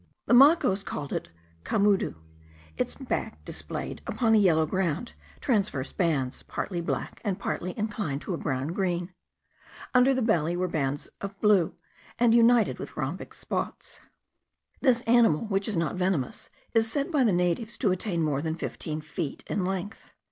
The Macos called it a camudu. Its back displayed, upon a yellow ground, transverse bands, partly black, and partly inclining to a brown green: under the belly the bands were blue, and united in rhombic spots. This animal, which is not venomous, is said by the natives to attain more than fifteen feet in length.